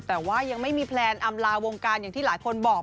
แต่ว่ายังไม่มีแพลนอำลาวงการอย่างที่หลายคนบอก